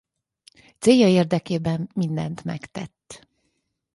Célja érdekében mindent megtett.